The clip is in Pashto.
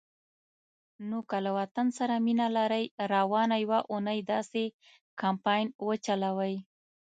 نو که له وطن سره مینه لرئ، روانه یوه اونۍ داسی کمپاین وچلوئ